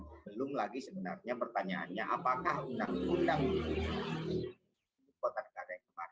belum lagi sebenarnya pertanyaannya apakah undang undang ibu kota negara yang kemarin